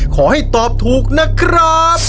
ขอให้ตอบถูกนะครับ